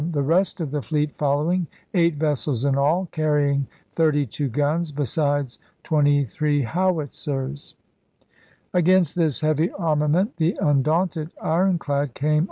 the rest of the fleet following, eight vessels in all, carrying 32 guns, besides 23 howitzers. Against this heavy armament the undaunted ironclad came May 5, 1864.